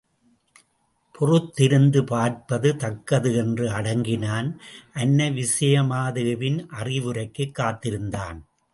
பொறுத்திருந்து பார்ப்பது தக்கது என்று அடங்கினான் அன்னை விசயமாதேவியின் அறிவுரைக்குக் காத்திருந்தான்.